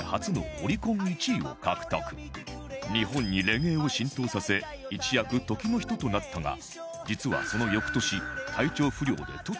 日本にレゲエを浸透させ一躍時の人となったが実はその翌年体調不良で突如引退